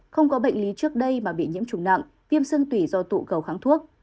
không có bệnh lý trước đây mà bị nhiễm trùng nặng viêm xương tủy do tụ cầu kháng thuốc